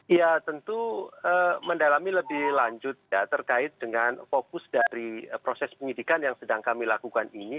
ya tentu mendalami lebih lanjut ya terkait dengan fokus dari proses penyidikan yang sedang kami lakukan ini